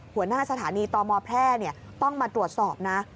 หัวหน้าสถานีตมแพร่ต้องมาตรวจสอบนะ